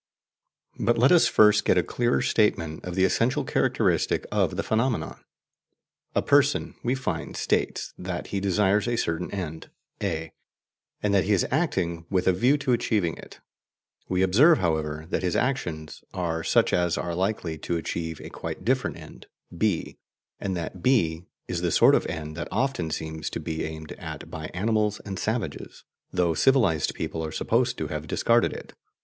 But let us first get a clearer statement of the essential characteristic of the phenomena. A person, we find, states that he desires a certain end A, and that he is acting with a view to achieving it. We observe, however, that his actions are such as are likely to achieve a quite different end B, and that B is the sort of end that often seems to be aimed at by animals and savages, though civilized people are supposed to have discarded it.